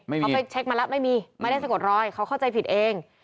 เขาไปเช็คมาแล้วไม่มีไม่ได้สะกดรอยเขาเข้าใจผิดเอง